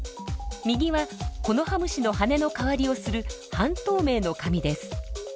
右はコノハムシの羽の代わりをする半透明の紙です。